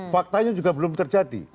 faktanya juga belum terjadi